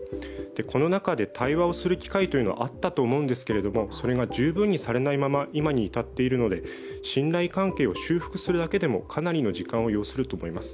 この中で対話をする機会というのはあったと思うんですが、それが十分に行われないまま今に至っているので、信頼関係を修復するだけでもかなりの時間を要すると思います。